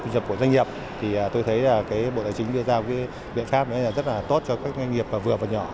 doanh nghiệp thì tôi thấy là bộ tài chính đưa ra một biện pháp rất là tốt cho các doanh nghiệp vừa và nhỏ